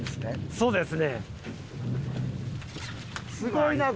そうです。